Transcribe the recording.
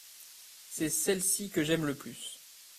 C’est celle-ci que j’aime le plus.